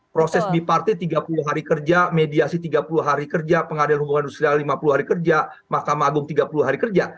proses biparte tiga puluh hari kerja mediasi tiga puluh hari kerja pengadilan hubungan industrial lima puluh hari kerja mahkamah agung tiga puluh hari kerja